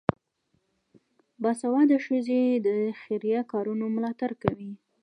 باسواده ښځې د خیریه کارونو ملاتړ کوي.